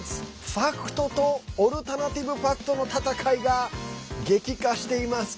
ファクトとオルタナティブファクトの戦いが激化しています。